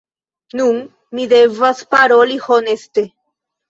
Nun, mi devas paroli honeste: